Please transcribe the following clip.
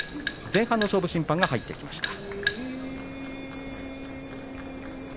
前半の勝負審判が入ってきました。